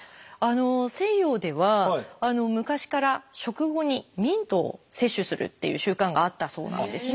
西洋では昔から食後にミントを摂取するっていう習慣があったそうなんですね。